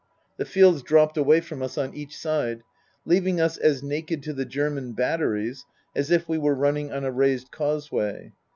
The fields dropped away from us on each side, leaving us as naked to the German batteries as if we were running on a raised causeway.